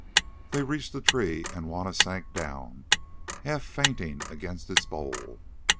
They reached the tree, and Juanna sank down half fainting against its bole.